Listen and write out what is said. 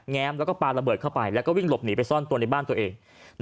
แม้มแล้วก็ปลาระเบิดเข้าไปแล้วก็วิ่งหลบหนีไปซ่อนตัวในบ้านตัวเอง